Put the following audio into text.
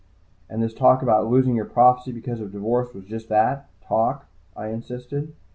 "And this talk about losing your prophecy because of divorce was just that, talk?" I insisted.